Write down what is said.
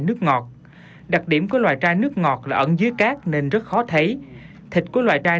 nước ngọt đặc điểm của loài chai nước ngọt là ẩn dưới cát nên rất khó thấy thịt của loài trai